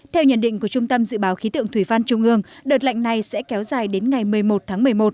theo nhận định của trung tâm dự báo khí tượng thủy văn trung ương đợt lạnh này sẽ kéo dài đến ngày một mươi một tháng một mươi một